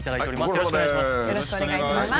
よろしくお願いします。